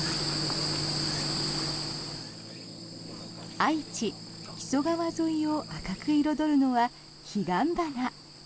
愛知・木曽川沿いを赤く彩るのはヒガンバナ。